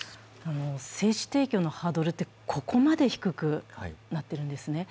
精子提供のハードルってここまで低くなっているんですね。